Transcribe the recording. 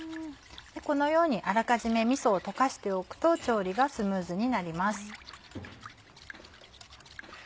このようにあらかじめみそを溶かしておくと調理がスムーズになります。